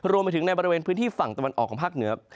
รวมไปถึงในบริเวณพื้นที่ฝั่งตะวันออกของภาคเหนือ